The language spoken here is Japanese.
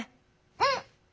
うん！